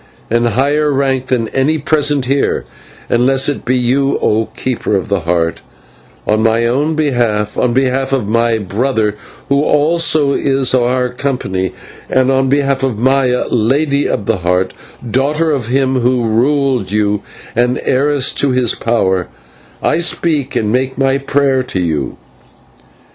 and higher in rank than any present here, unless it be you, O Keeper of the Heart: on my own behalf, on behalf of my brother who also is of our company, and on behalf of Maya, Lady of the Heart, daughter of him who ruled you, and heiress to his power, I speak and make my prayer to you.